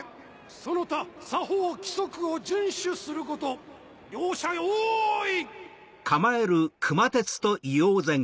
その他作法規則を順守すること。両者用意！